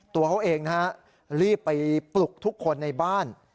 ตัวเขาเองนะฮะรีบไปปลุกทุกคนในบ้าน